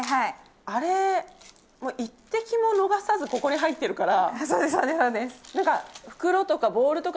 あれ、一滴も逃さずここに入っているから。